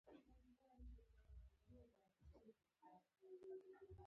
له سره حملې پیل کړې.